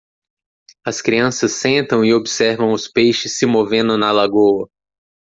As crianças sentam e observam os peixes se movendo na lagoa